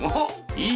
いい！